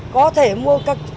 có thể không